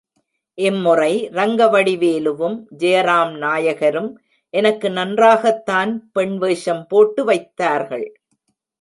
இம்முறை ரங்கவடிவேலுவும், ஜெயராம் நாயகரும் எனக்கு நன்றாகத்தான் பெண் வேஷம் போட்டு வைத்தார்கள்.